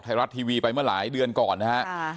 ไทยรัฐทีวีไปเมื่อหลายเดือนก่อนนะฮะ